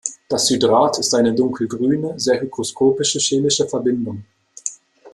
Das Hydrat ist eine dunkelgrüne, sehr hygroskopische chemische Verbindung.